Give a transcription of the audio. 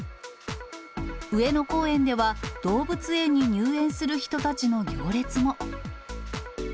上野公園では、動物園に入園する人たちの行列も。